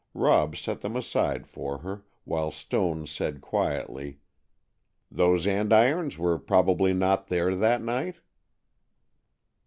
Rob set them aside for her, while Stone said quietly, "Those andirons were probably not there that night?"